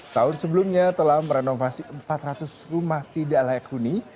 tahun sebelumnya telah merenovasi empat ratus rumah tidak layak huni